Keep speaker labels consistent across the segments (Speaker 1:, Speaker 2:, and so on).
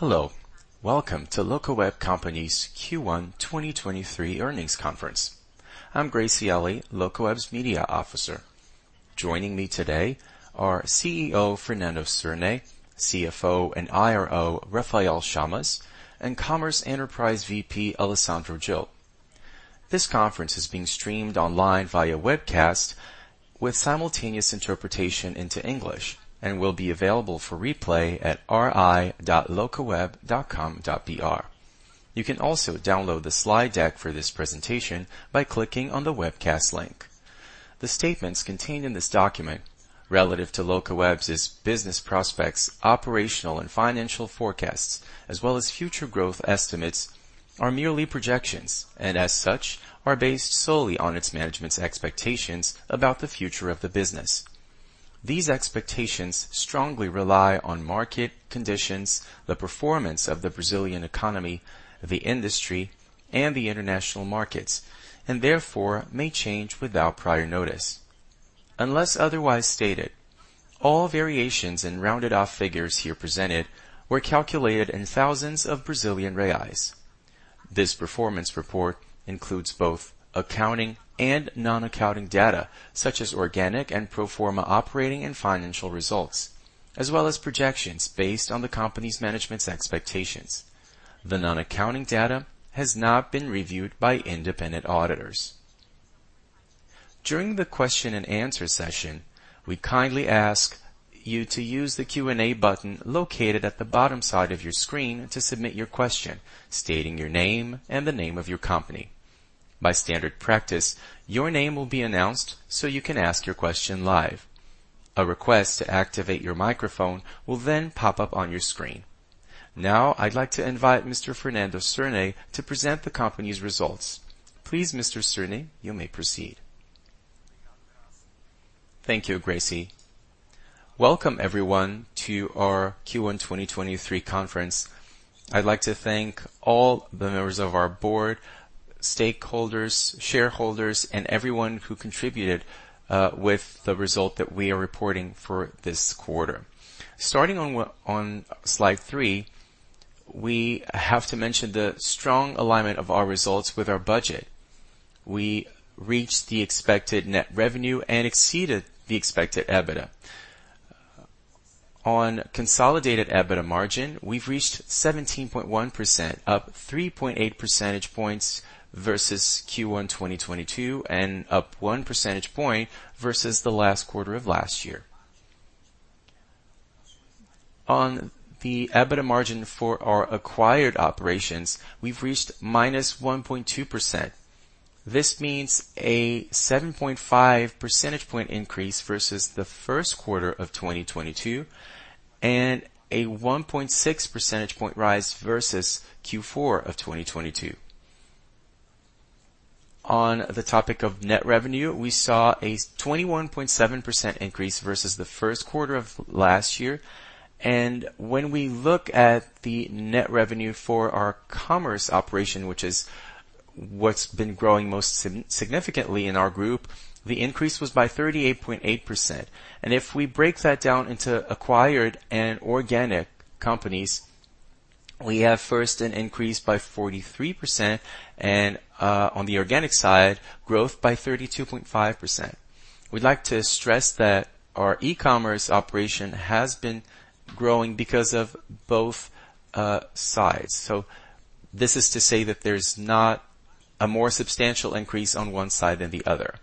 Speaker 1: Hello. Welcome to Locaweb Company's Q1 2023 earnings conference. I'm Gracielle, Locaweb's Media Officer. Joining me today are CEO Fernando Cirne, CFO and IRO Rafael Chamas, and Commerce Enterprise VP Alessandro Gil. This conference is being streamed online via webcast with simultaneous interpretation into English and will be available for replay at ri.locaweb.com.br. You can also download the slide deck for this presentation by clicking on the webcast link. The statements contained in this document, relative to Locaweb's business prospects, operational and financial forecasts, as well as future growth estimates, are merely projections, and as such, are based solely on its management's expectations about the future of the business. These expectations strongly rely on market conditions, the performance of the Brazilian economy, the industry, and the international markets, and therefore may change without prior notice. Unless otherwise stated, all variations in rounded off figures here presented were calculated in thousands. This performance report includes both accounting and non-accounting data, such as organic and pro forma operating and financial results, as well as projections based on the company's management's expectations. The non-accounting data has not been reviewed by independent auditors. During the question and answer session, we kindly ask you to use the Q&A button located at the bottom side of your screen to submit your question, stating your name and the name of your company. By standard practice, your name will be announced. You can ask your question live. A request to activate your microphone will pop up on your screen. I'd like to invite Mr. Fernando Cirne to present the company's results. Please, Mr. Cirne, you may proceed.
Speaker 2: Thank you, Gracie. Welcome, everyone, to our Q1 2023 conference. I'd like to thank all the members of our board, stakeholders, shareholders, and everyone who contributed with the result that we are reporting for this quarter. Starting on slide three, we have to mention the strong alignment of our results with our budget. We reached the expected net revenue and exceeded the expected EBITDA. On consolidated EBITDA margin, we've reached 17.1%, up 3.8 percentage points versus Q1 2022 and up 1 percentage point versus the last quarter of last year. On the EBITDA margin for our acquired operations, we've reached -1.2%. This means a 7.5 percentage point increase versus the 1Q of 2022 and a 1.6 percentage point rise versus Q4 of 2022. On the topic of net revenue, we saw a 21.7% increase versus the 1Q of last year. When we look at the net revenue for our commerce operation, which is what's been growing most significantly in our group, the increase was by 38.8%. If we break that down into acquired and organic companies, we have first an increase by 43% and on the organic side, growth by 32.5%. We'd like to stress that our e-commerce operation has been growing because of both sides. This is to say that there's not a more substantial increase on one side than the other.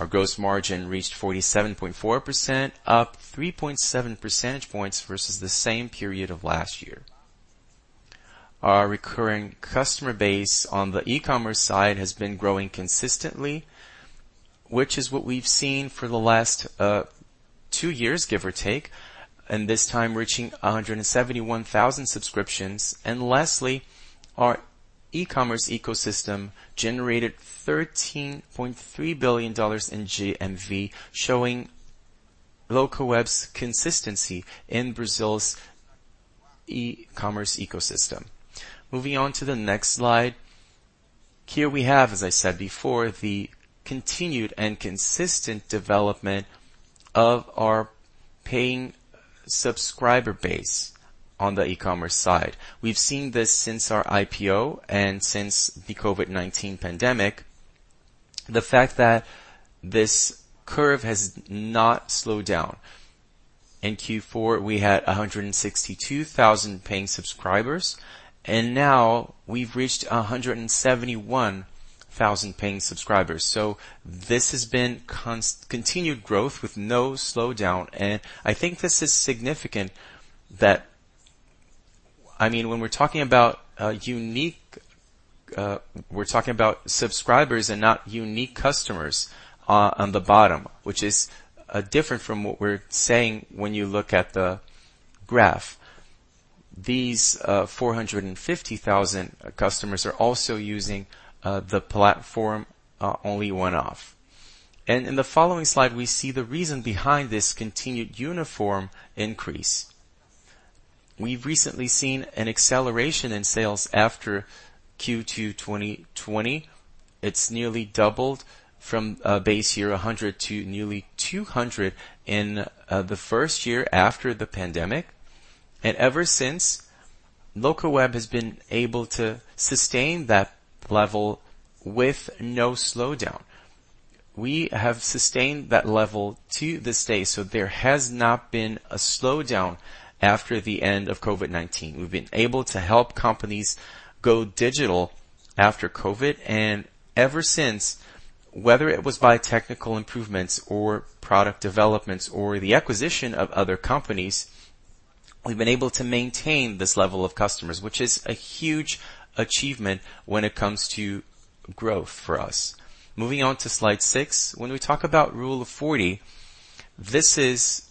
Speaker 2: Our gross margin reached 47.4%, up 3.7 percentage points versus the same period of last year. Our recurring customer base on the e-commerce side has been growing consistently, which is what we've seen for the last two years, give or take, and this time reaching 171,000 subscriptions. Lastly, our e-commerce ecosystem generated BRL 13.3 billion in GMV, showing Locaweb's consistency in Brazil's e-commerce ecosystem. Moving on to the next slide. Here we have, as I said before, the continued and consistent development of our paying subscriber base on the e-commerce side. We've seen this since our IPO and since the COVID-19 pandemic, the fact that this curve has not slowed down. In Q4, we had 162,000 paying subscribers, now we've reached 171,000 paying subscribers. This has been continued growth with no slowdown. I think this is significant that I mean, when we're talking about a unique, we're talking about subscribers and not unique customers on the bottom, which is different from what we're saying when you look at the graph. These 450,000 customers are also using the platform only one-off. In the following slide, we see the reason behind this continued uniform increase. We've recently seen an acceleration in sales after Q2 2020. It's nearly doubled from a base year 100 to nearly 200 in the first year after the pandemic. Ever since, Locaweb has been able to sustain that level with no slowdown. We have sustained that level to this day, so there has not been a slowdown after the end of COVID-19. We've been able to help companies go digital after COVID, and ever since, whether it was by technical improvements or product developments or the acquisition of other companies, we've been able to maintain this level of customers, which is a huge achievement when it comes to growth for us. Moving on to slide six. When we talk about Rule of 40, this is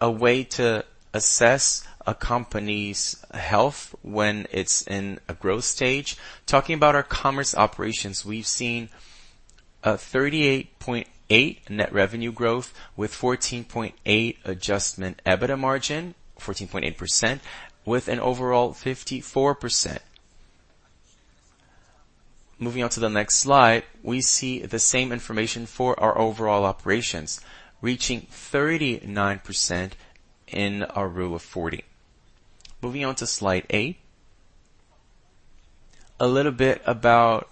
Speaker 2: a way to assess a company's health when it's in a growth stage. Talking about our commerce operations, we've seen a 38.8 net revenue growth with 14.8 adjustment EBITDA margin, 14.8%, with an overall 54%. Moving on to the next slide, we see the same information for our overall operations, reaching 39% in our Rule of 40. Moving on to slide eight. A little bit about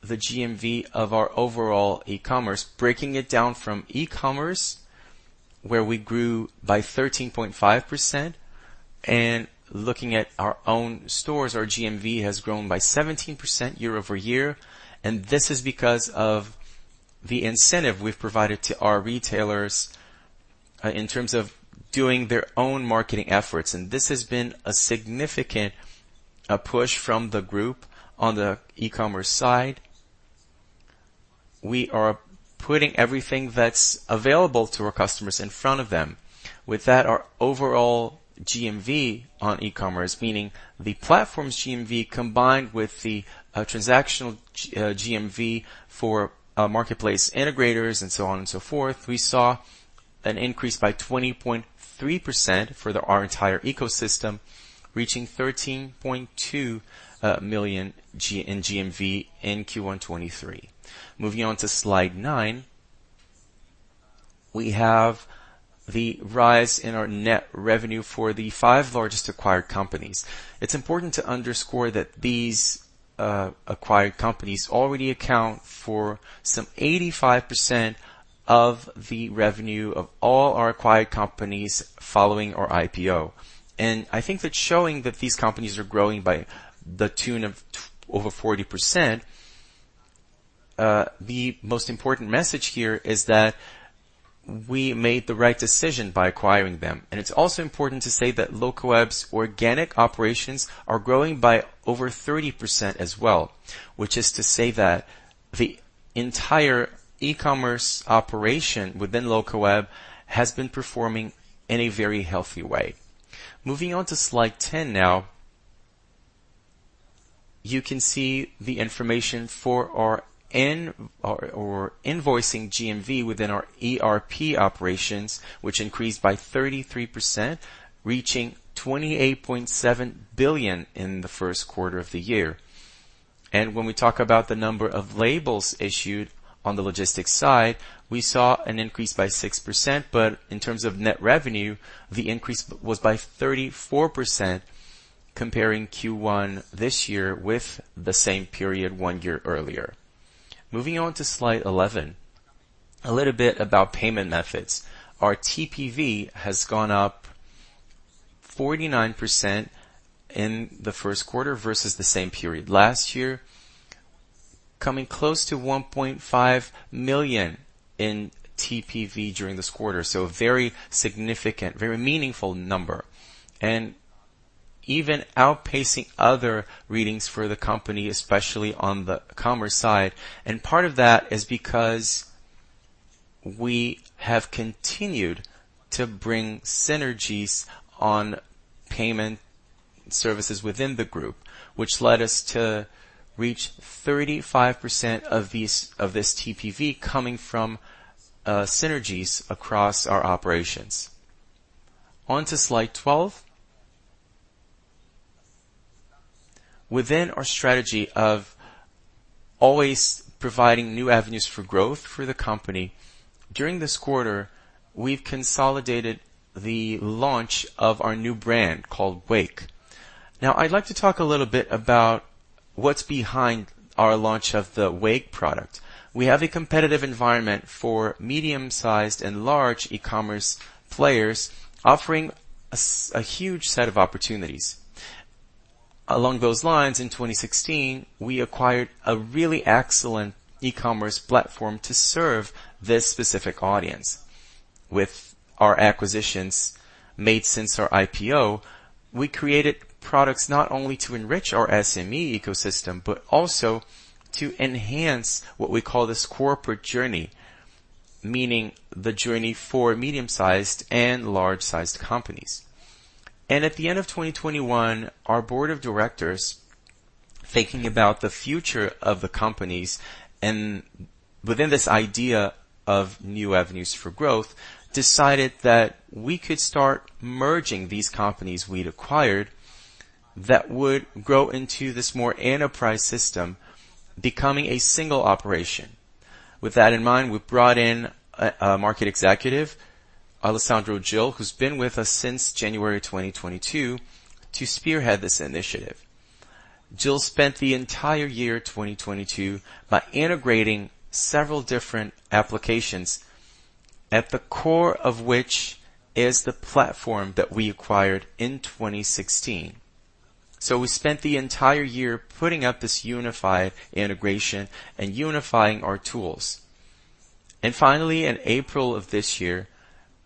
Speaker 2: the GMV of our overall e-commerce. Breaking it down from e-commerce, where we grew by 13.5%, and looking at our own stores, our GMV has grown by 17% year-over-year. This is because of the incentive we've provided to our retailers, in terms of doing their own marketing efforts. This has been a significant push from the group on the e-commerce side. We are putting everything that's available to our customers in front of them. With that, our overall GMV on e-commerce, meaning the platform's GMV combined with the transactional GMV for marketplace integrators and so on and so forth, we saw an increase by 20.3% for our entire ecosystem, reaching 13.2 million in GMV in Q1 2023. Moving on to slide nine, we have the rise in our net revenue for the five largest acquired companies. It's important to underscore that these acquired companies already account for some 85% of the revenue of all our acquired companies following our IPO. I think that showing that these companies are growing by the tune of over 40%, the most important message here is that we made the right decision by acquiring them. It's also important to say that Locaweb's organic operations are growing by over 30% as well, which is to say that the entire e-commerce operation within Locaweb has been performing in a very healthy way. Moving on to slide 10 now. You can see the information for our or invoicing GMV within our ERP operations, which increased by 33%, reaching 28.7 billion in the 1Q of the year. When we talk about the number of labels issued on the logistics side, we saw an increase by 6%, but in terms of net revenue, the increase was by 34% comparing Q1 this year with the same period one year earlier. Moving on to slide 11. A little bit about payment methods. Our TPV has gone up 49% in the 1Q versus the same period last year, coming close to 1.5 million in TPV during this quarter. A very significant, very meaningful number, and even outpacing other readings for the company, especially on the commerce side. Part of that is because we have continued to bring synergies on payment services within the group, which led us to reach 35% of these, of this TPV coming from synergies across our operations. On to slide 12. Within our strategy of always providing new avenues for growth for the company, during this quarter, we've consolidated the launch of our new brand called Wake. I'd like to talk a little bit about what's behind our launch of the Wake product. We have a competitive environment for medium-sized and large e-commerce players offering a huge set of opportunities. Along those lines, in 2016, we acquired a really excellent e-commerce platform to serve this specific audience. With our acquisitions made since our IPO, we created products not only to enrich our SME ecosystem, but also to enhance what we call this corporate journey, meaning the journey for medium-sized and large-sized companies. At the end of 2021, our board of directors, thinking about the future of the companies and within this idea of new avenues for growth, decided that we could start merging these companies we'd acquired. That would grow into this more enterprise system becoming a single operation. With that in mind, we brought in a market executive, Alessandro Gil, who's been with us since January 2022 to spearhead this initiative. Gil spent the entire year 2022 by integrating several different applications, at the core of which is the platform that we acquired in 2016. We spent the entire year putting up this unified integration and unifying our tools. Finally, in April of this year,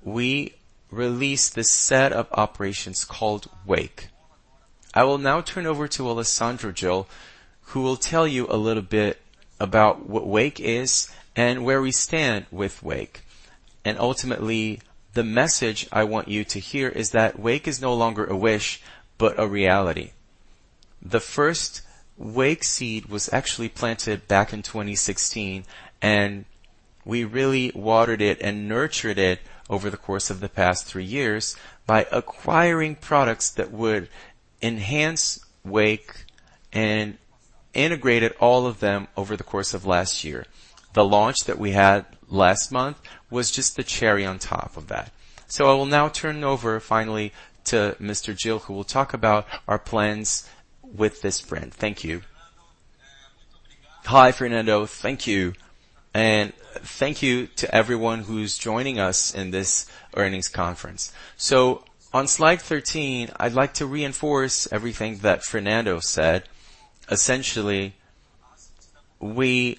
Speaker 2: we released this set of operations called Wake. I will now turn over to Alessandro Gil, who will tell you a little bit about what Wake is and where we stand with Wake. Ultimately, the message I want you to hear is that Wake is no longer a wish, but a reality. The first Wake seed was actually planted back in 2016, and we really watered it and nurtured it over the course of the past three years by acquiring products that would enhance Wake and integrated all of them over the course of last year. The launch that we had last month was just the cherry on top of that. I will now turn over finally to Mr. Gil, who will talk about our plans with this brand. Thank you.
Speaker 3: Hi, Fernando. Thank you. Thank you to everyone who's joining us in this earnings conference. On slide 13, I'd like to reinforce everything that Fernando said. Essentially, we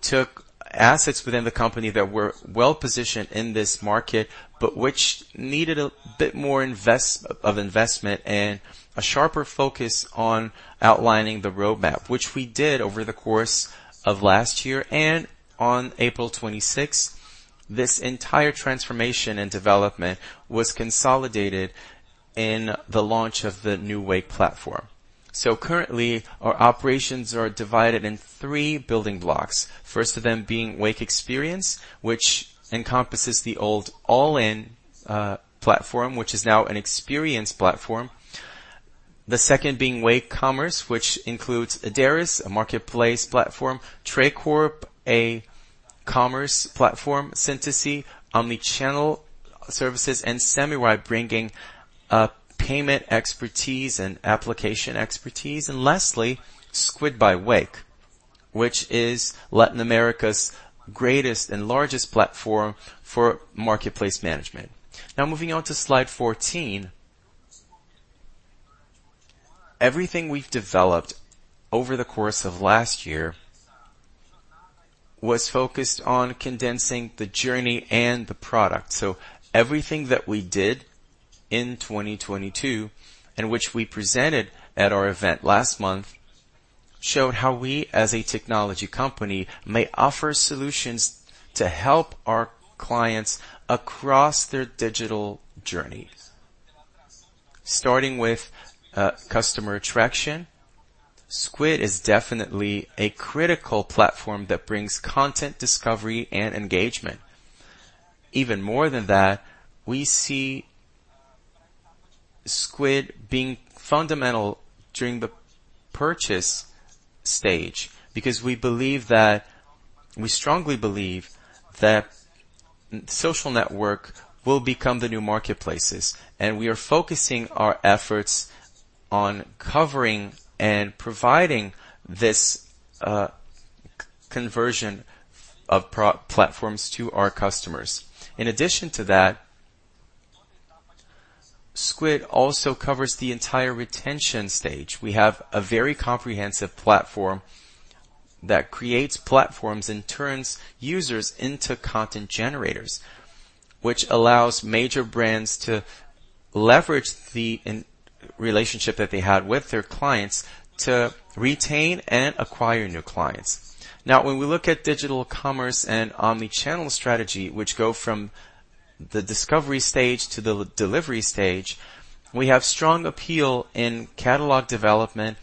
Speaker 3: took assets within the company that were well-positioned in this market, but which needed a bit more of investment and a sharper focus on outlining the roadmap, which we did over the course of last year. On 26 April, this entire transformation and development was consolidated in the launch of the new Wake platform. Currently, our operations are divided in three building blocks. First of them being Wake Experience, which encompasses the old All IN platform, which is now an experience platform. The second being Wake Commerce, which includes Ideris, a marketplace platform, Tray Corp, a commerce platform, Síntese, omnichannel services, and Sammy bringing payment expertise and application expertise. Lastly, Squid by Wake, which is Latin America's greatest and largest platform for marketplace management. Moving on to slide 14. Everything we've developed over the course of last year was focused on condensing the journey and the product. Everything that we did in 2022, and which we presented at our event last month, showed how we as a technology company may offer solutions to help our clients across their digital journey. Starting with customer attraction, Squid is definitely a critical platform that brings content discovery and engagement. Even more than that, we see Squid being fundamental during the purchase stage because we strongly believe that social network will become the new marketplaces, and we are focusing our efforts on covering and providing this c-conversion of pro-platforms to our customers. In addition to that, Squid also covers the entire retention stage. We have a very comprehensive platform that creates platforms and turns users into content generators, which allows major brands to leverage the relationship that they had with their clients to retain and acquire new clients. When we look at digital commerce and omnichannel strategy, which go from the discovery stage to the delivery stage, we have strong appeal in catalog development,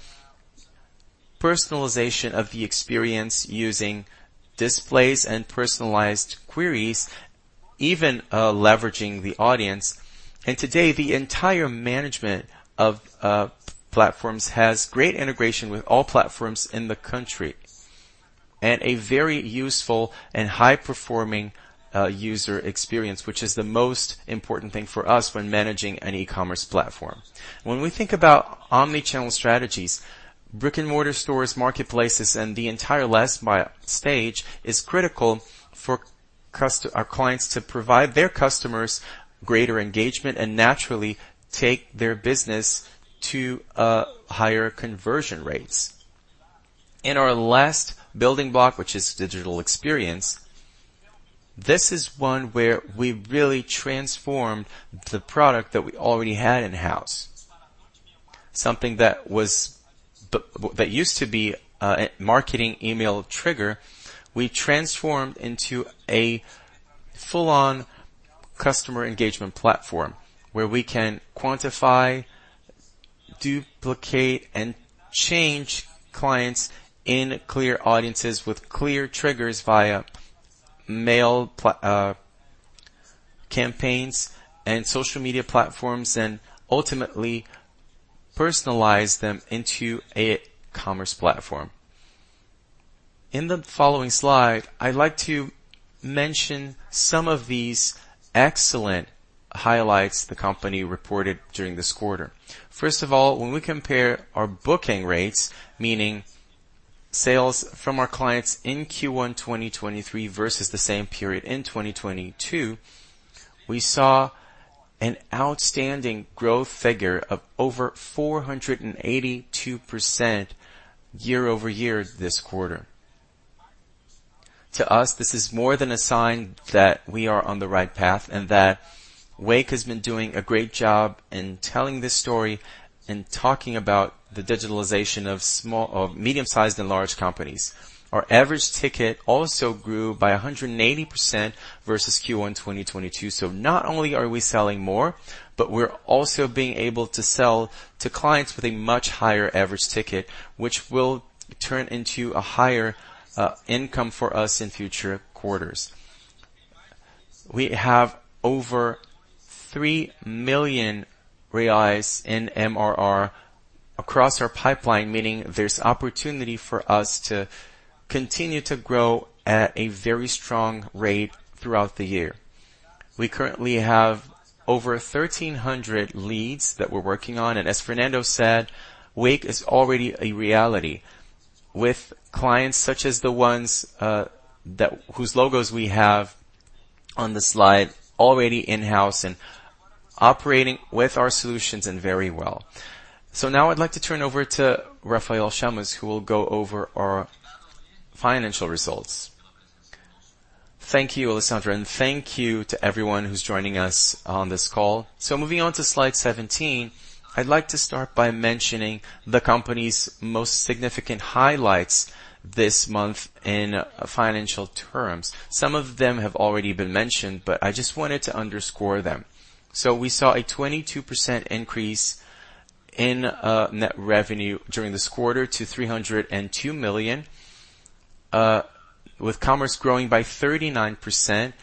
Speaker 3: personalization of the experience using displays and personalized queries, even leveraging the audience. Today, the entire management of platforms has great integration with all platforms in the country and a very useful and high-performing user experience, which is the most important thing for us when managing an e-commerce platform. When we think about omnichannel strategies, brick-and-mortar stores, marketplaces, and the entire last mile stage is critical for our clients to provide their customers greater engagement and naturally take their business to higher conversion rates. In our last building block, which is digital experience, this is one where we really transformed the product that we already had in-house. Something that used to be a marketing email trigger, we transformed into a full-on customer engagement platform where we can quantify, duplicate, and change clients in clear audiences with clear triggers via mail campaigns and social media platforms and ultimately personalize them into a commerce platform. In the following slide, I'd like to mention some of these excellent highlights the company reported during this quarter. First of all, when we compare our booking rates, meaning sales from our clients in Q1 2023 versus the same period in 2022, we saw an outstanding growth figure of over 482% year-over-year this quarter. To us, this is more than a sign that we are on the right path and that Wake has been doing a great job in telling this story and talking about the digitalization of medium-sized and large companies. Our average ticket also grew by 180% versus Q1 2022. Not only are we selling more, but we're also being able to sell to clients with a much higher average ticket, which will turn into a higher income for us in future quarters. We have over 3 million reais in MRR across our pipeline, meaning there's opportunity for us to continue to grow at a very strong rate throughout the year. We currently have over 1,300 leads that we're working on. As Fernando said, Wake is already a reality with clients such as the ones whose logos we have on the slide already in-house and operating with our solutions and very well. Now I'd like to turn over to Rafael Chamas, who will go over our financial results.
Speaker 4: Thank you, Alessandro, and thank you to everyone who's joining us on this call. Moving on to slide 17, I'd like to start by mentioning the company's most significant highlights this month in financial terms. Some of them have already been mentioned, but I just wanted to underscore them. We saw a 22% increase in net revenue during this quarter to 302 million, with Commerce growing by 39%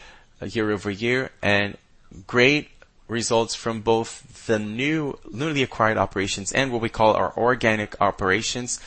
Speaker 4: year-over-year and great results from both the newly acquired operations and what we call our organic operations.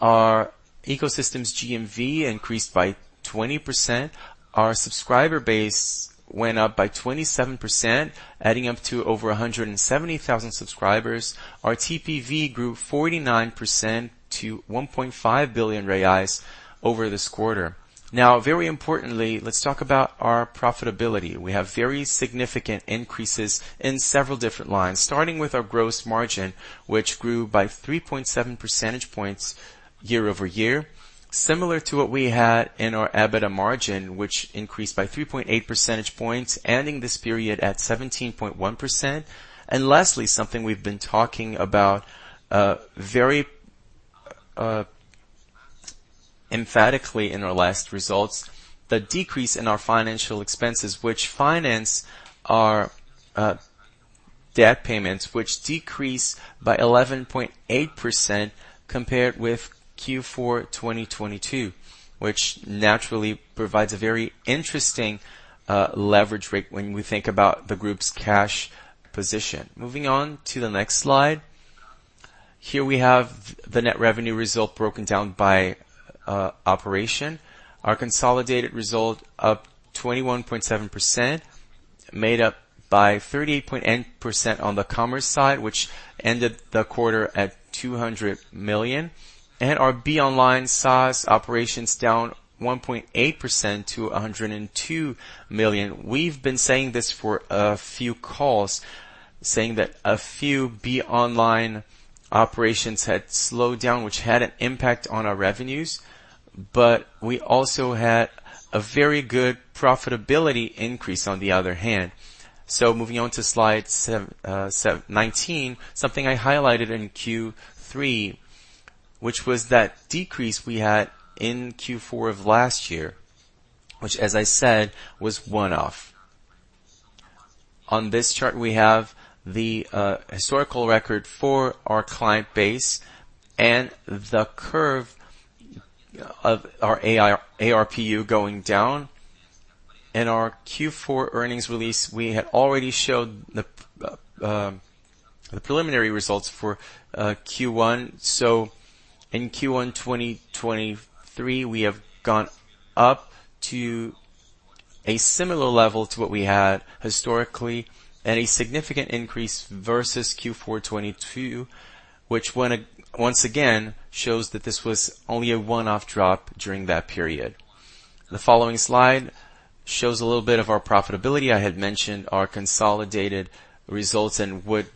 Speaker 4: Our ecosystems GMV increased by 20%. Our subscriber base went up by 27%, adding up to over 170,000 subscribers. Our TPV grew 49% to 1.5 billion reais over this quarter. Very importantly, let's talk about our profitability. We have very significant increases in several different lines, starting with our gross margin, which grew by 3.7 percentage points year-over-year. Similar to what we had in our EBITDA margin, which increased by 3.8 percentage points, ending this period at 17.1%. Lastly, something we've been talking about, very emphatically in our last results, the decrease in our financial expenses which finance our debt payments, which decreased by 11.8% compared with Q4 2022, which naturally provides a very interesting leverage rate when we think about the group's cash position. Moving on to the next slide. Here we have the net revenue result broken down by operation. Our consolidated result up 21.7%, made up by 38.9% on the Commerce side, which ended the quarter at 200 million. Our Be Online size operations down 1.8% to 102 million. We've been saying this for a few calls. online operations had slowed down, which had an impact on our revenues, but we also had a very good profitability increase on the other hand. Moving on to slide 19, something I highlighted in Q3, which was that decrease we had in Q4 of last year, which as I said, was one-off. On this chart, we have the historical record for our client base and the curve of our ARPU going down. In our Q4 earnings release, we had already showed the preliminary results for Q1. In Q1 2023, we have gone up to a similar level to what we had historically and a significant increase versus Q4 '22, which once again shows that this was only a one-off drop during that period. The following slide shows a little bit of our profitability. I had mentioned our consolidated results. What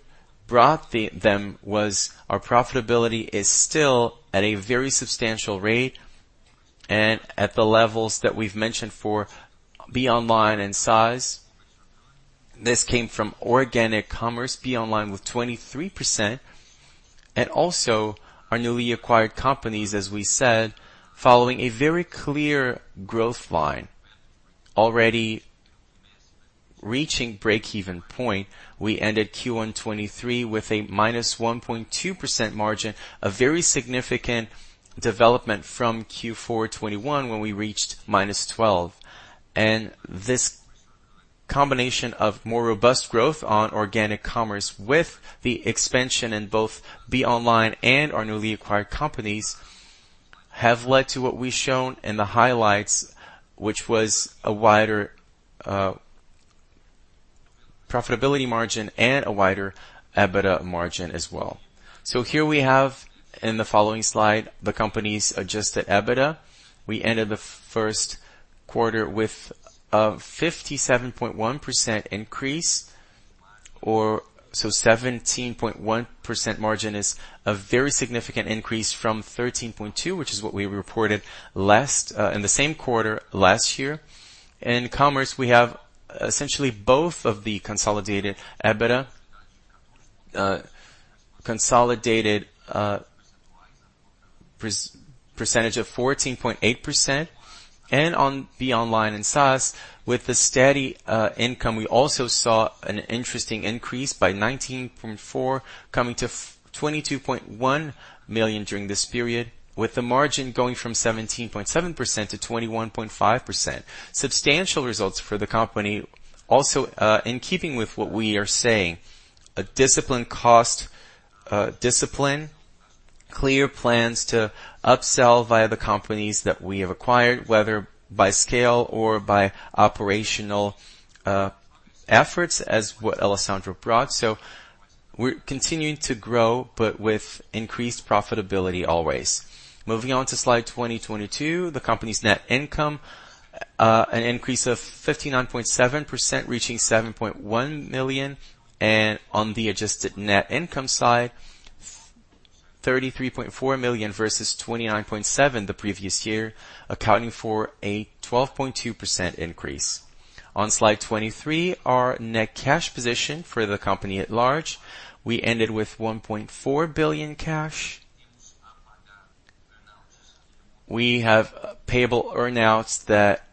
Speaker 4: brought them was our profitability is still at a very substantial rate and at the levels that we've mentioned for Be Online and Síntese. This came from organic commerce, Be Online with 23%, and also our newly acquired companies, as we said, following a very clear growth line already reaching breakeven point. We ended Q1 2023 with a -1.2% margin, a very significant development from Q4 2021 when we reached -12%. This combination of more robust growth on organic commerce with the expansion in both Be Online and our newly acquired companies have led to what we've shown in the highlights, which was a wider profitability margin and a wider EBITDA margin as well. Here we have in the following slide, the company's adjusted EBITDA. We ended the 1Q with a 57.1% increase, or so 17.1% margin is a very significant increase from 13.2%, which is what we reported last in the same quarter last year. In commerce, we have essentially both of the consolidated EBITDA, consolidated percentage of 14.8%. On the online and SaaS with the steady income, we also saw an interesting increase by 19.4% coming to 22.1 million during this period, with the margin going from 17.7% to 21.5%. Substantial results for the company also, in keeping with what we are saying, a disciplined cost discipline, clear plans to upsell via the companies that we have acquired, whether by scale or by operational efforts as what Alessandro brought. We're continuing to grow, but with increased profitability always. Moving on to slide 22, the company's net income, an increase of 59.7%, reaching 7.1 million. On the adjusted net income side, 33.4 million versus 29.7 million the previous year, accounting for a 12.2% increase. On slide 23, our net cash position for the company at large. We ended with 1.4 billion cash. We have payable earn-outs that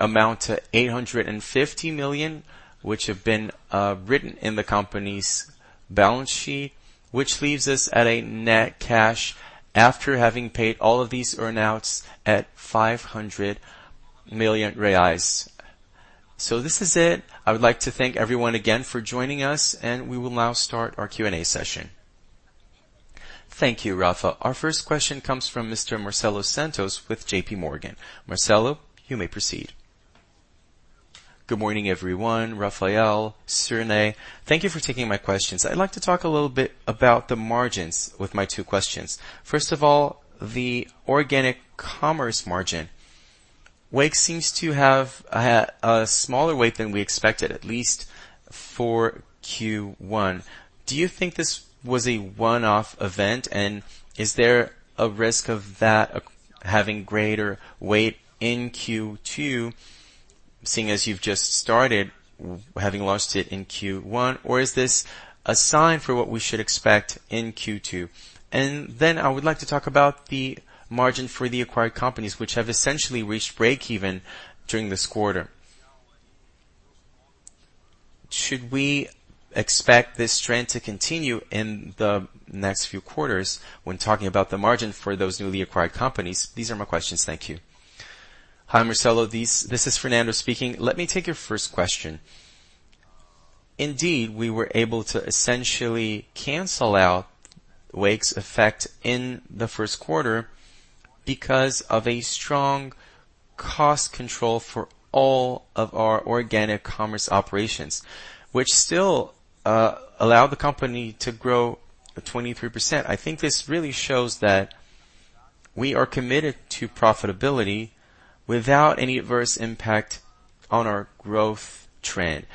Speaker 4: amount to 850 million, which have been written in the company's balance sheet, which leaves us at a net cash after having paid all of these earn-outs at 500 million reais. This is it. I would like to thank everyone again for joining us, and we will now start our Q&A session.
Speaker 1: Thank you, Rafa. Our first question comes from Mr. Marcelo Santos with JPMorgan. Marcelo, you may proceed.
Speaker 5: Good morning, everyone. Rafael, Cirne, thank you for taking my questions. I'd like to talk a little bit about the margins with my two questions. First of all, the organic commerce margin. Wake seems to have a smaller weight than we expected, at least for Q1. Do you think this was a one-off event? Is there a risk of that having greater weight in Q2, seeing as you've just started having launched it in Q1? Or is this a sign for what we should expect in Q2? Then I would like to talk about the margin for the acquired companies, which have essentially reached breakeven during this quarter. Should we expect this trend to continue in the next few quarters when talking about the margin for those newly acquired companies? These are my questions.
Speaker 2: Thank you. Hi, Marcelo. This is Fernando speaking. Let me take your first question. Indeed, we were able to essentially cancel out Wake's effect in the 1Q because of a strong cost control for all of our organic commerce operations, which still allow the company to grow 23%. I think this really shows that we are committed to profitability without any adverse impact on our growth trend.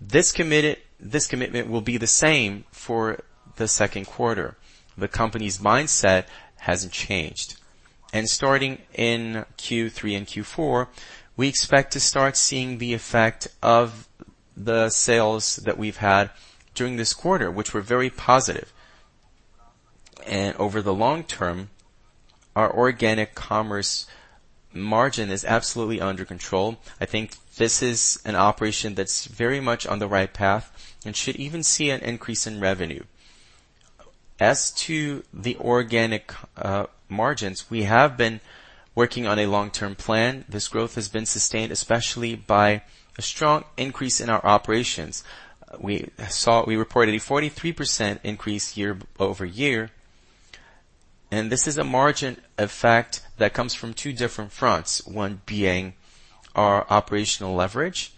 Speaker 2: This commitment will be the same for the second quarter. The company's mindset hasn't changed. Starting in Q3 and Q4, we expect to start seeing the effect of the sales that we've had during this quarter, which were very positive. Over the long term, our organic commerce margin is absolutely under control. I think this is an operation that's very much on the right path and should even see an increase in revenue. As to the organic margins, we have been working on a long-term plan. This growth has been sustained, especially by a strong increase in our operations. We reported a 43% increase year-over-year, and this is a margin effect that comes from two different fronts, one being our operational leverage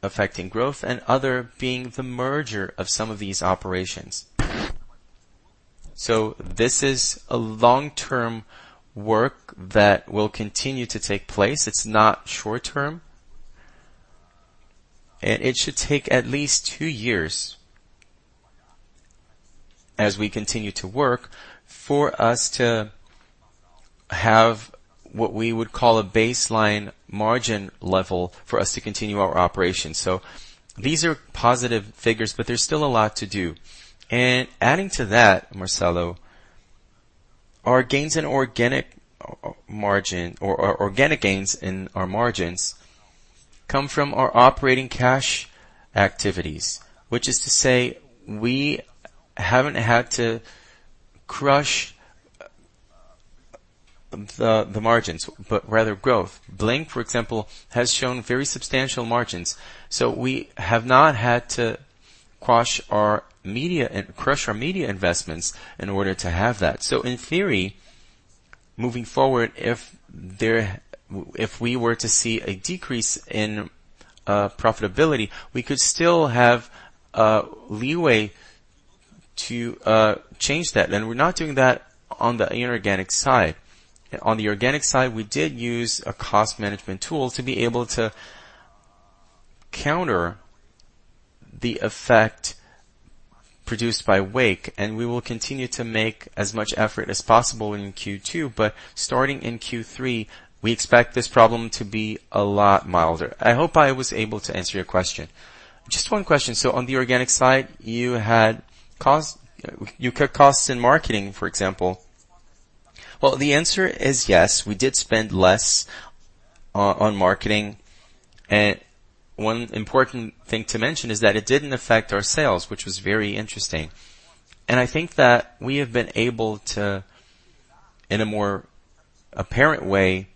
Speaker 2: affecting growth and other being the merger of some of these operations. This is a long-term work that will continue to take place. It's not short-term. It should take at least two years as we continue to work for us to have what we would call a baseline margin level for us to continue our operations. These are positive figures, but there's still a lot to do. Adding to that, Marcelo. Our gains in organic margin or our organic gains in our margins come from our operating cash activities, which is to say we haven't had to crush the margins, but rather growth. Bling, for example, has shown very substantial margins. We have not had to crush our media investments in order to have that. In theory, moving forward, if we were to see a decrease in profitability, we could still have leeway to change that. We're not doing that on the inorganic side. On the organic side, we did use a cost management tool to be able to counter the effect produced by Wake, and we will continue to make as much effort as possible in Q2. Starting in Q3, we expect this problem to be a lot milder. I hope I was able to answer your question. Just one question. On the organic side, you cut costs in marketing, for example. The answer is yes, we did spend less on marketing. One important thing to mention is that it didn't affect our sales, which was very interesting. I think that we have been able to, in a more apparent way,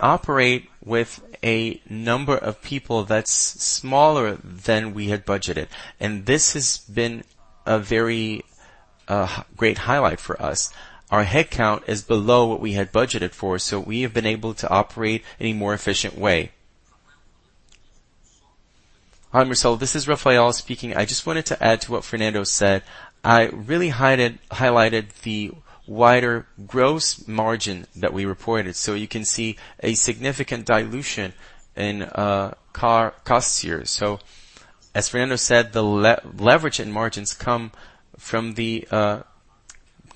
Speaker 2: operate with a number of people that's smaller than we had budgeted. This has been a very great highlight for us. Our headcount is below what we had budgeted for, so we have been able to operate in a more efficient way.
Speaker 4: Hi, Marcelo. This is Rafael speaking. I just wanted to add to what Fernando said. I really highlighted the wider gross margin that we reported, so you can see a significant dilution in costs here. As Fernando said, the leverage in margins come from the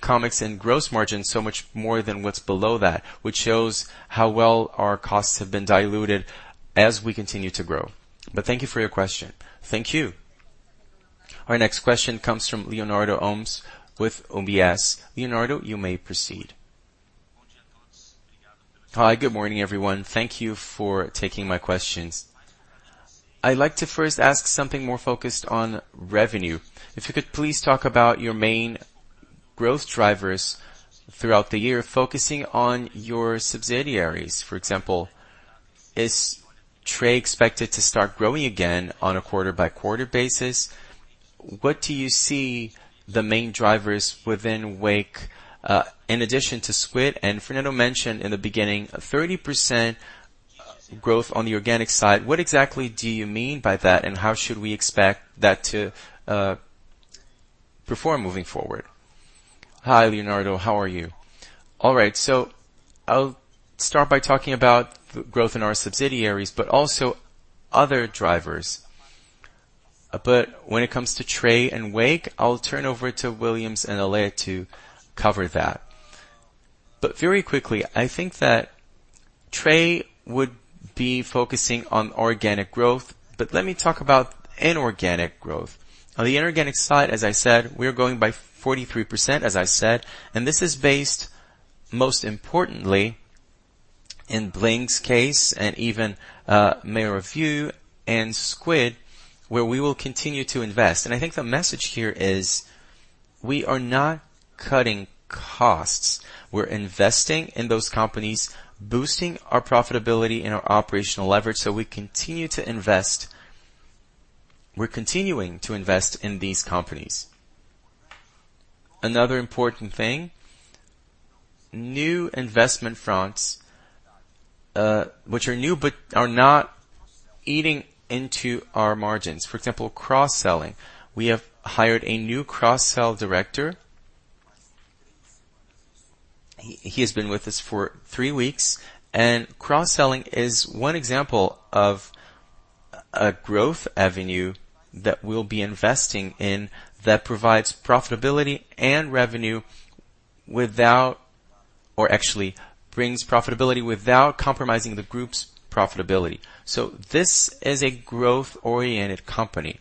Speaker 4: comics and gross margins so much more than what's below that, which shows how well our costs have been diluted as we continue to grow. Thank you for your question.
Speaker 5: Thank you.
Speaker 4: Our next question comes from Leonardo Olmos with UBS. Leonardo, you may proceed.
Speaker 6: Hi, good morning, everyone. Thank you for taking my questions. I'd like to first ask something more focused on revenue. If you could please talk about your main growth drivers throughout the year, focusing on your subsidiaries. For example, is Tray expected to start growing again on a quarter-by-quarter basis? What do you see the main drivers within Wake in addition to Squid? Fernando mentioned in the beginning a 30% growth on the organic side. What exactly do you mean by that, and how should we expect that to perform moving forward?
Speaker 2: Hi, Leonardo. How are you? All right. I'll start by talking about growth in our subsidiaries, but also other drivers. When it comes to Tray and Wake, I'll turn over to Willians and Ale to cover that.
Speaker 3: Very quickly, I think that Tray would be focusing on organic growth. Let me talk about inorganic growth. On the inorganic side, as I said, we are going by 43%, as I said, and this is based most importantly in Bling's case and even Melhor Envio and Squid, where we will continue to invest. I think the message here is we are not cutting costs. We're investing in those companies, boosting our profitability and our operational leverage, we're continuing to invest in these companies. Another important thing, new investment fronts, which are new but are not eating into our margins. For example, cross-selling. We have hired a new cross-sell director. He has been with us for three weeks, cross-selling is one example of a growth avenue that we'll be investing in that provides profitability and revenue. Or actually brings profitability without compromising the group's profitability. This is a growth-oriented company.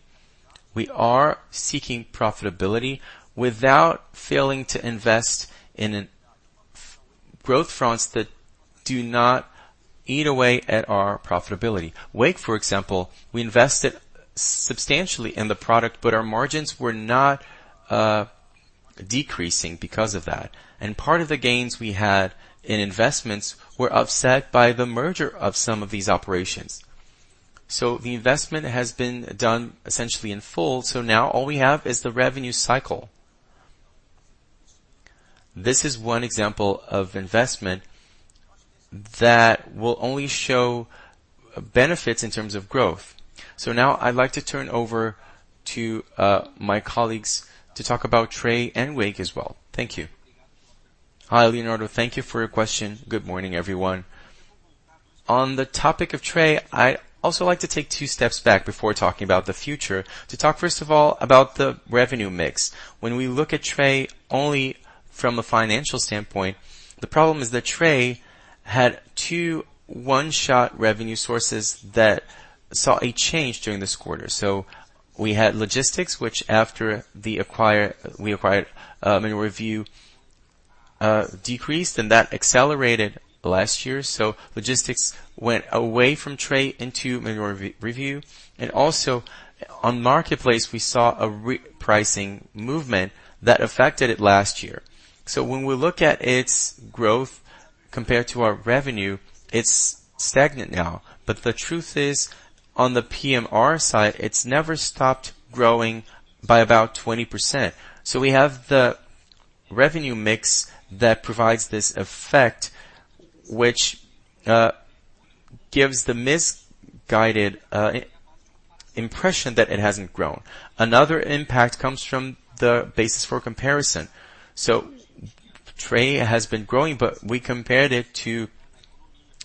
Speaker 3: We are seeking profitability without failing to invest in growth fronts that do not eat away at our profitability. Wake, for example, we invested substantially in the product, but our margins were not decreasing because of that. Part of the gains we had in investments were offset by the merger of some of these operations. The investment has been done essentially in full, so now all we have is the revenue cycle. This is one example of investment that will only show benefits in terms of growth. Now I'd like to turn over to my colleagues to talk about Tray and Wake as well. Thank you.
Speaker 7: Hi, Leonardo. Thank you for your question. Good morning, everyone. On the topic of Tray, I also like to take two steps back before talking about the future to talk, first of all, about the revenue mix. When we look at Tray only from a financial standpoint, the problem is that Tray had two one-shot revenue sources that saw a change during this quarter. We had logistics which after we acquired, in review, decreased and that accelerated last year. Logistics went away from Tray into Melhor Envio. Also on marketplace we saw a re-pricing movement that affected it last year. When we look at its growth compared to our revenue, it's stagnant now. The truth is, on the PMR side, it's never stopped growing by about 20%. We have the revenue mix that provides this effect, which gives the misguided impression that it hasn't grown. Another impact comes from the basis for comparison. Tray has been growing, but we compared it to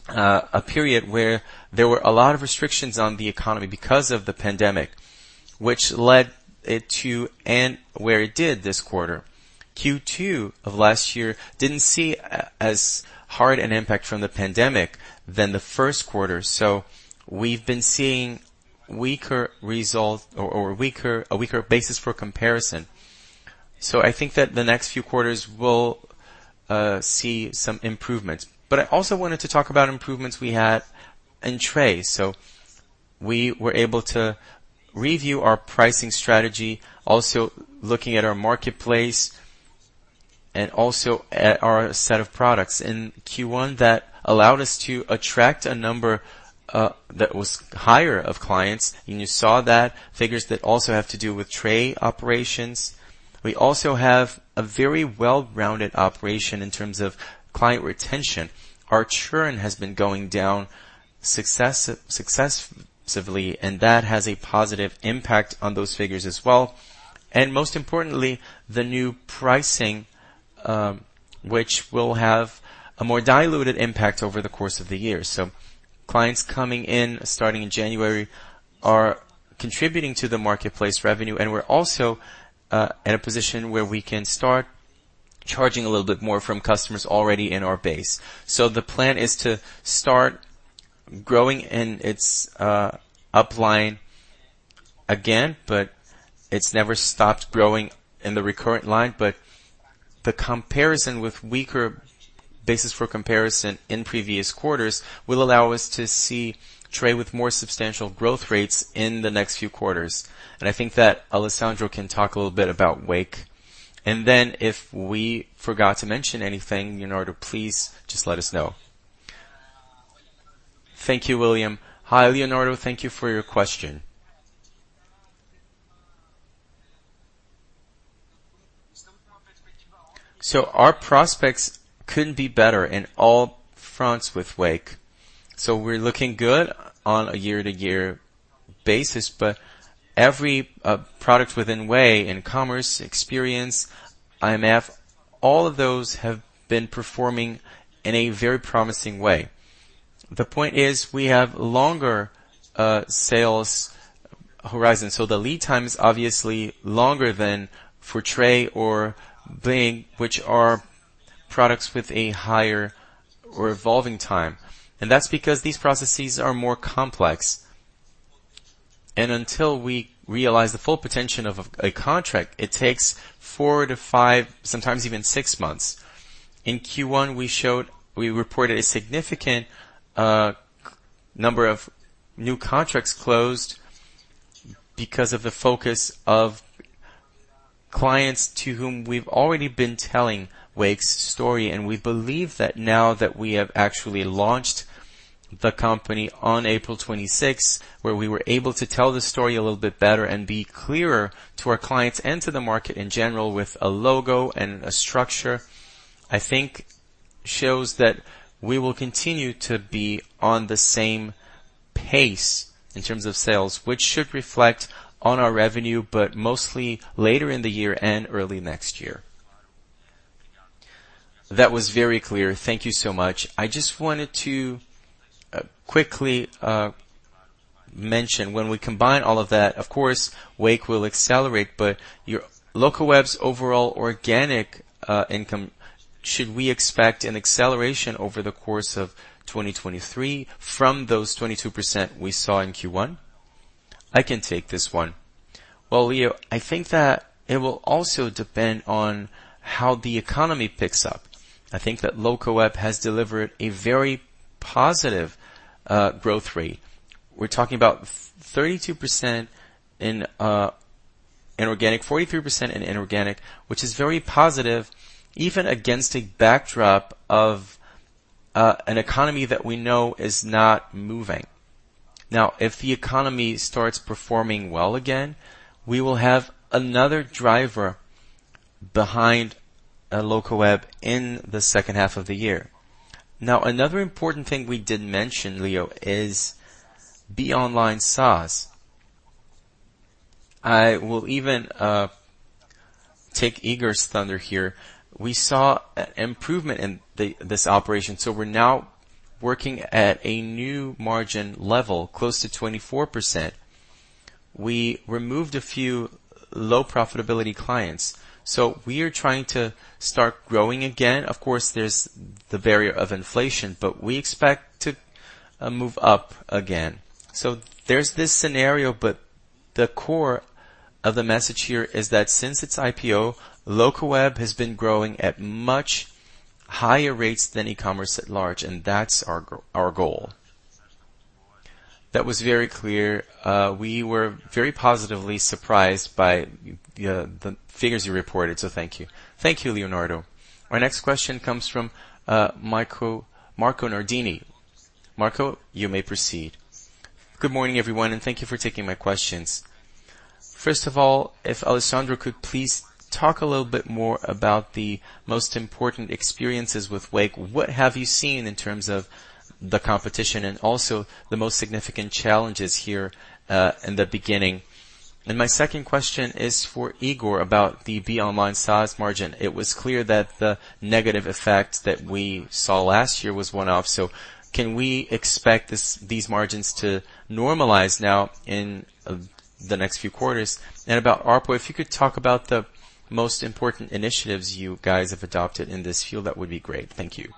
Speaker 7: a period where there were a lot of restrictions on the economy because of the pandemic, which led it to end where it did this quarter. Q2 of last year didn't see as hard an impact from the pandemic than the 1Q. We've been seeing weaker results or a weaker basis for comparison. I think that the next few quarters we'll see some improvements. I also wanted to talk about improvements we had in Tray. We were able to review our pricing strategy, also looking at our marketplace and also at our set of products. In Q1, that allowed us to attract a number that was higher of clients, and you saw that figures that also have to do with Tray operations. We also have a very well-rounded operation in terms of client retention. Our churn has been going down successively, and that has a positive impact on those figures as well. Most importantly, the new pricing, which will have a more diluted impact over the course of the year. Clients coming in starting in January are contributing to the marketplace revenue, and we're also in a position where we can start charging a little bit more from customers already in our base. The plan is to start growing in its upline again, but it's never stopped growing in the recurrent line. The comparison with weaker basis for comparison in previous quarters will allow us to see Tray with more substantial growth rates in the next few quarters. I think that Alessandro can talk a little bit about Wake. Then if we forgot to mention anything, Leonardo, please just let us know.
Speaker 6: Thank you, Willians.
Speaker 2: Hi, Leonardo, thank you for your question. Our prospects couldn't be better in all fronts with Wake. We're looking good on a year-to-year basis, but every product within Wake, in Commerce, Experience, IMF, all of those have been performing in a very promising way. The point is we have longer sales horizon, so the lead time is obviously longer than for Tray or Bling, which are products with a higher revolving time. That's because these processes are more complex. Until we realize the full potential of a contract, it takes 4-5, sometimes even 6 months. In Q1, we reported a significant number of new contracts closed because of the focus of clients to whom we've already been telling Wake's story. We believe that now that we have actually launched the company on April 26th, where we were able to tell the story a little bit better and be clearer to our clients and to the market in general with a logo and a structure, I think shows that we will continue to be on the same pace in terms of sales, which should reflect on our revenue, but mostly later in the year and early next year.
Speaker 6: That was very clear. Thank you so much. I just wanted to quickly mention when we combine all of that, of course, Wake will accelerate, but your Locaweb's overall organic income, should we expect an acceleration over the course of 2023 from those 22% we saw in Q1?
Speaker 4: I can take this one. Well, Leo, I think that it will also depend on how the economy picks up. I think that Locaweb has delivered a very positive growth rate. We're talking about 32% in inorganic, 43% in inorganic, which is very positive, even against a backdrop of an economy that we know is not moving. Now, if the economy starts performing well again, we will have another driver behind a Locaweb in the second half of the year. Now, another important thing we didn't mention, Leo, is Be Online SaaS. I will even take Igor's thunder here. We saw improvement in this operation. We're now working at a new margin level, close to 24%. We removed a few low profitability clients. We are trying to start growing again. Of course, there's the barrier of inflation, but we expect to move up again. There's this scenario, but the core of the message here is that since its IPO, Locaweb has been growing at much higher rates than e-commerce at large, and that's our goal.
Speaker 6: That was very clear. We were very positively surprised by the figures you reported, so thank you.
Speaker 1: Thank you, Leonardo. Our next question comes from Marco Nardini. Marco, you may proceed.
Speaker 8: Good morning, everyone, and thank you for taking my questions. First of all, if Alessandro could please talk a little bit more about the most important experiences with Wake. What have you seen in terms of the competition and also the most significant challenges here in the beginning? My second question is for Igor about the Be Online SaaS margin. It was clear that the negative effect that we saw last year was one-off. Can we expect these margins to normalize now in the next few quarters? About ARPU, if you could talk about the most important initiatives you guys have adopted in this field, that would be great. Thank you.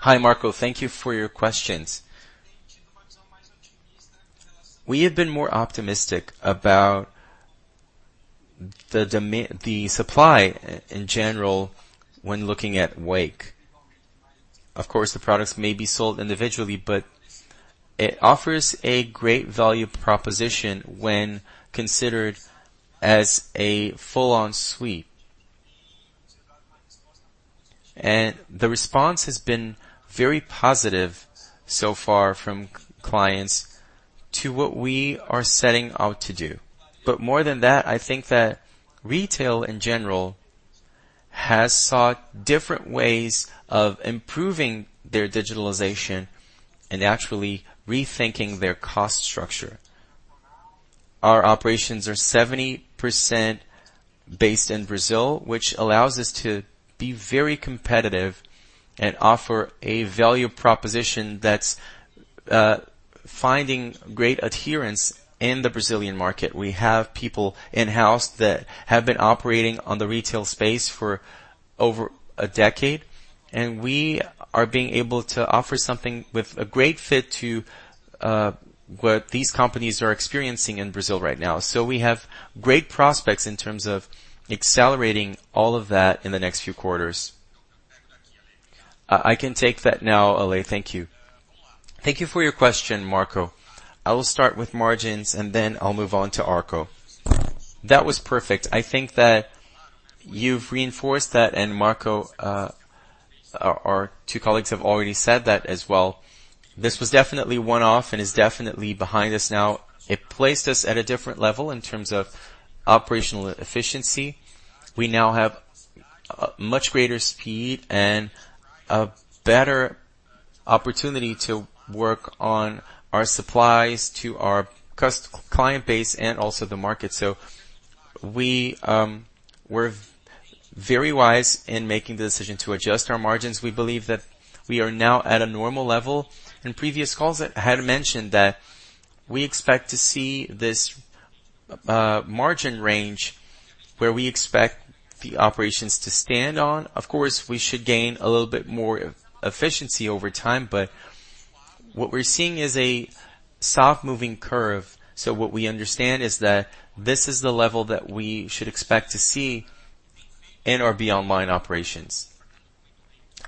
Speaker 3: Hi, Marco. Thank you for your questions. We have been more optimistic about the supply in general when looking at Wake. Of course, the products may be sold individually, but it offers a great value proposition when considered as a full-on suite. The response has been very positive so far from clients to what we are setting out to do. More than that, I think that retail in general has sought different ways of improving their digitalization and actually rethinking their cost structure. Our operations are 70% based in Brazil, which allows us to be very competitive and offer a value proposition that's finding great adherence in the Brazilian market. We have people in-house that have been operating on the retail space for over a decade, and we are being able to offer something with a great fit to what these companies are experiencing in Brazil right now. We have great prospects in terms of accelerating all of that in the next few quarters. I can take that now, Ale.
Speaker 4: Thank you for your question, Marco. I will start with margins, and then I'll move on to ARPU. That was perfect. I think that you've reinforced that, and Marco, our two colleagues have already said that as well. This was definitely one-off and is definitely behind us now. It placed us at a different level in terms of operational efficiency. We now have a much greater speed and a better opportunity to work on our supplies to our client base and also the market. We're very wise in making the decision to adjust our margins. We believe that we are now at a normal level. In previous calls, I had mentioned that we expect to see this margin range where we expect the operations to stand on. Of course, we should gain a little bit more efficiency over time, but what we're seeing is a soft moving curve. What we understand is that this is the level that we should expect to see in our Be Online operations.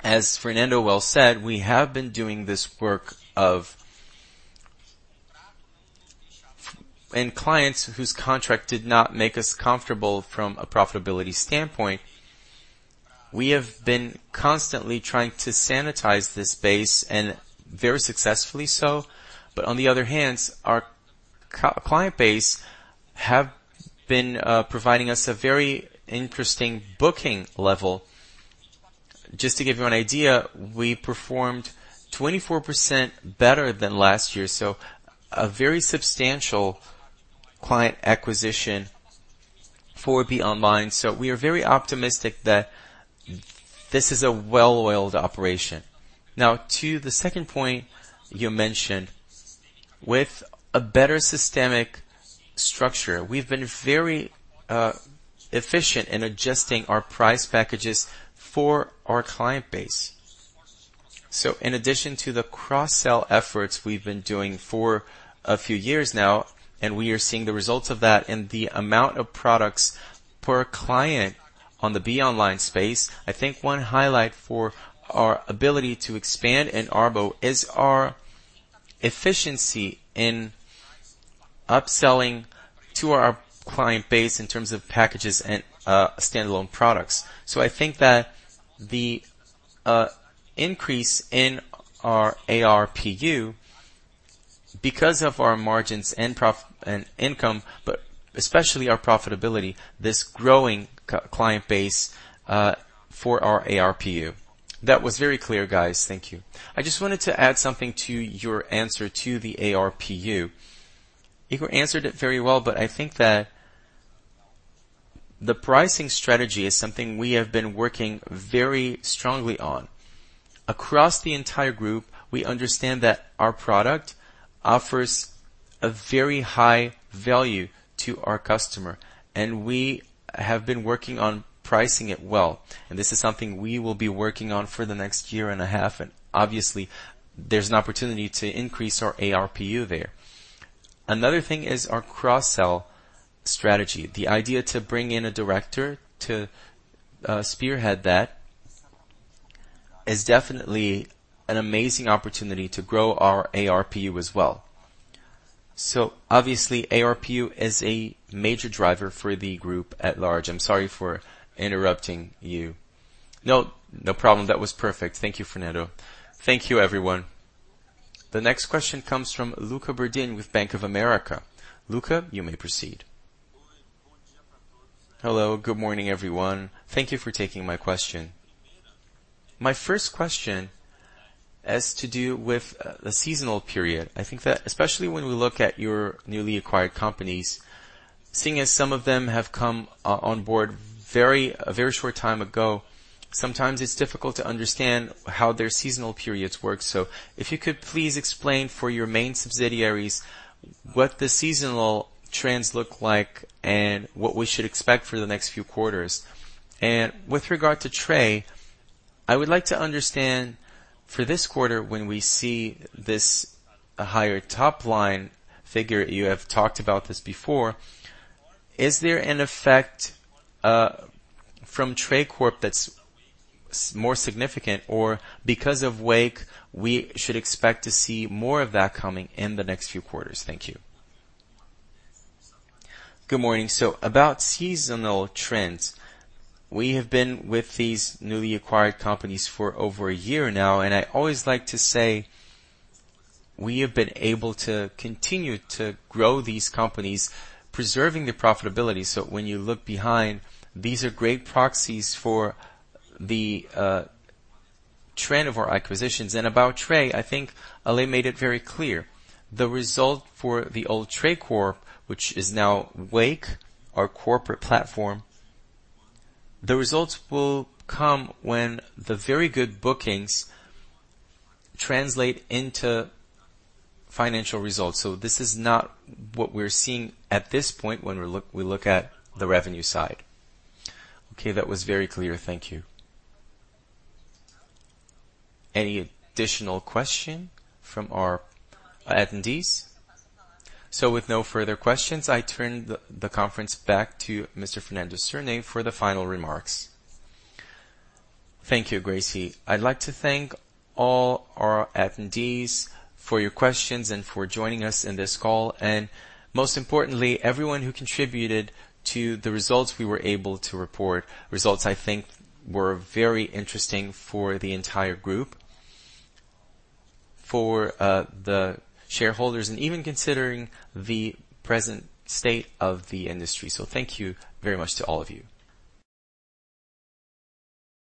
Speaker 4: As Fernando well said, we have been doing this work of. Clients whose contract did not make us comfortable from a profitability standpoint, we have been constantly trying to sanitize this base and very successfully so. On the other hand, our c-client base have been providing us a very interesting booking level. Just to give you an idea, we performed 24% better than last year, so a very substantial client acquisition for Be Online. We are very optimistic that this is a well-oiled operation. Now, to the second point you mentioned, with a better systemic structure, we've been very efficient in adjusting our price packages for our client base. In addition to the cross-sell efforts we've been doing for a few years now, and we are seeing the results of that in the amount of products per client on the Be Online space. I think one highlight for our ability to expand in Arbo is our efficiency in upselling to our client base in terms of packages and standalone products. I think that the increase in our ARPU, because of our margins and income, but especially our profitability, this growing client base for our ARPU.
Speaker 8: That was very clear, guys. Thank you.
Speaker 2: I just wanted to add something to your answer to the ARPU. Igor answered it very well, but I think that the pricing strategy is something we have been working very strongly onAcross the entire group, we understand that our product offers a very high value to our customer, and we have been working on pricing it well. This is something we will be working on for the next year and a half. Obviously, there's an opportunity to increase our ARPU there. Another thing is our cross-sell strategy. The idea to bring in a director to spearhead that is definitely an amazing opportunity to grow our ARPU as well. Obviously, ARPU is a major driver for the group at large. I'm sorry for interrupting you.
Speaker 3: No. No problem. That was perfect. Thank you, Fernando.
Speaker 1: Thank you, everyone. The next question comes from Luca Berdin with Bank of America. Luca, you may proceed.
Speaker 9: Hello. Good morning, everyone. Thank you for taking my question. My first question has to do with the seasonal period. I think that especially when we look at your newly acquired companies, seeing as some of them have come onboard a very short time ago, sometimes it's difficult to understand how their seasonal periods work. If you could please explain for your main subsidiaries what the seasonal trends look like and what we should expect for the next few quarters. With regard to Tray, I would like to understand for this quarter when we see this higher top-line figure, you have talked about this before, is there an effect from Tray Corp that's more significant or because of Wake, we should expect to see more of that coming in the next few quarters. Thank you.
Speaker 2: Good morning. About seasonal trends. We have been with these newly acquired companies for over a year now, and I always like to say we have been able to continue to grow these companies, preserving their profitability. When you look behind, these are great proxies for the trend of our acquisitions. About Tray, I think Ale made it very clear. The result for the old Tray Corp, which is now Wake, our corporate platform, the results will come when the very good bookings translate into financial results. This is not what we're seeing at this point when we look at the revenue side.
Speaker 9: Okay. That was very clear. Thank you.
Speaker 1: Any additional question from our attendees? With no further questions, I turn the conference back to Mr. Fernando Cirne for the final remarks.
Speaker 2: Thank you, Gracie. I'd like to thank all our attendees for your questions and for joining us in this call, and most importantly, everyone who contributed to the results we were able to report. Results I think were very interesting for the entire group, for the shareholders and even considering the present state of the industry. Thank you very much to all of you.